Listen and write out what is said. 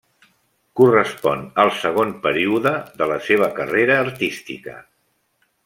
Correspon al segon període de la seva carrera artística.